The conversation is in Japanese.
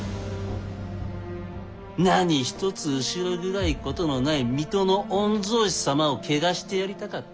何一つ後ろ暗いことのない水戸の御曹司様を汚してやりたかった。